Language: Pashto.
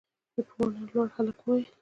په ونه لوړ هلک وويل: